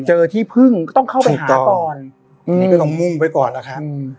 เจอที่พึ่งก็ต้องเข้าไปหาก่อนต้องมุ่งไปก่อนล่ะค่ะอืม